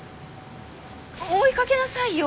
追いかけなさいよ。